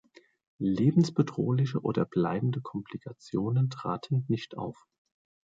Lebensbedrohliche oder bleibende Komplikationen traten nicht auf.